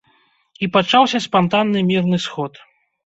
І пачаўся спантанны мірны сход.